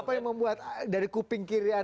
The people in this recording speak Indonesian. apa yang membuat dari kuping kiri